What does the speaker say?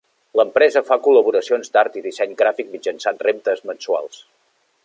L'empresa fa col·laboracions d'art i disseny gràfic mitjançant reptes mensuals.